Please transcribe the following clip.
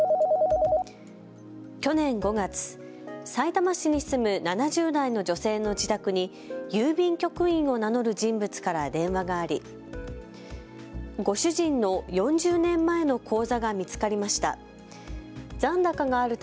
去年５月、さいたま市に住む７０代の女性の自宅に郵便局員を名乗る人物から電話がありご主人の４０年前の口座が見つかりました。